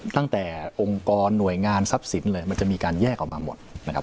องค์กรหน่วยงานทรัพย์สินเลยมันจะมีการแยกออกมาหมดนะครับ